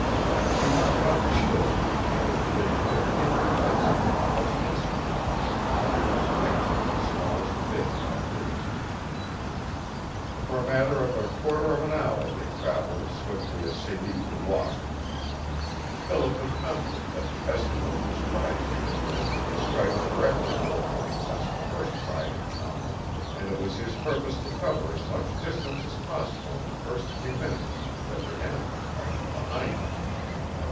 She must have understood, for the big hood hid her face again almost instantly, and her fingers tightened the smallest bit about his. For a matter of a quarter of an hour they traveled as swiftly as Celie could walk. Philip was confident that the Eskimo whose cries they had heard would strike directly for the point whence the first cry had come, and it was his purpose to cover as much distance as possible in the first few minutes that their enemies might be behind them.